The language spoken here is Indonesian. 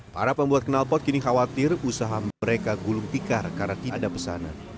para pembuat kenalpot kini khawatir usaha mereka gulung tikar karena tidak ada pesanan